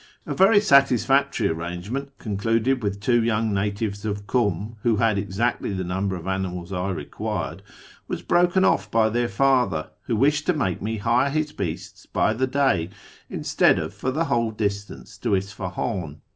A very satisfactory arrange ment concluded with two young natives of Kum, who had exactly the number of animals I required, was broken off by their father, who wished to make me hire his beasts by the day instead of for the whole distance to Isfahan.